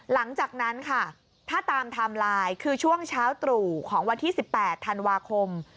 หลังจากนั้นค่ะถ้าตามไทม์ไลน์คือช่วงเช้าตรู่ของวันที่๑๘ธันวาคม